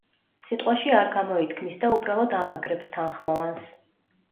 სიტყვაში არ გამოითქმის და უბრალოდ ამაგრებს თანხმოვანს.